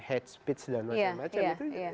hate speech dan macam macam itu